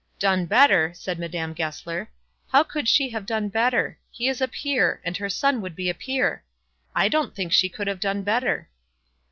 "Done better!" said Madame Goesler. "How could she have done better? He is a peer, and her son would be a peer. I don't think she could have done better."